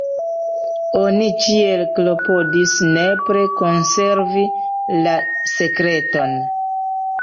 Oni ĉiel klopodis nepre konservi la sekreton.